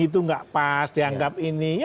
itu nggak pas dianggap ini